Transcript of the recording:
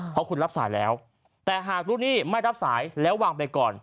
เพราะคุณรับสายแล้วแต่หากลูกหนี้ไม่รับสายแล้ววางไปก่อน